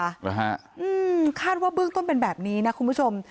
หรือฮะอืมคาดว่าเบื้องต้นเป็นแบบนี้นะคุณผู้ชม